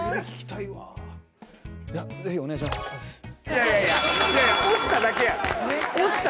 いやいやいやいや押しただけやん。